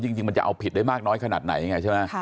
จริงมันจะเอาผิดได้มากน้อยขนาดไหนไงใช่ไหม